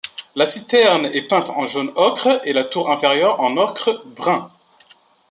La citerne est peinte en jaune ocre et la tour inférieure en ocre brun.